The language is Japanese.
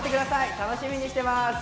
楽しみにしてます。